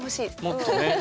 もっとね。